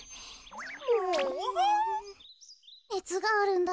ねつがあるんだ。